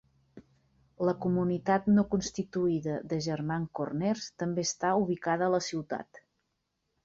La comunitat no constituïda de German Corners també està ubicada a la ciutat.